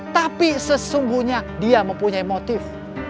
tapi sesungguhnya dia mempunyai motif